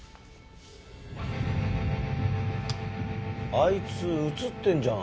あいつ映ってるじゃん。